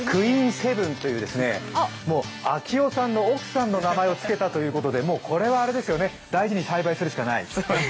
セブンという晃生さんの奥さんの名前をつけたということでもうこれは大事に栽培するしかない。